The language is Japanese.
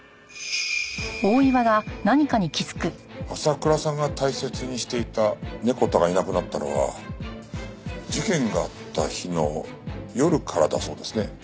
朝倉さんが大切にしていたネコ太がいなくなったのは事件があった日の夜からだそうですね。